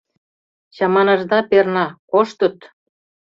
Чаманашда перна: коштыт!